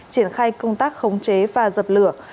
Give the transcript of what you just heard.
triển khai công tác khống chế và dập lửa